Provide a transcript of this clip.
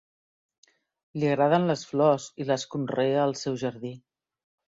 Li agraden les flors i les conrea al seu jardí.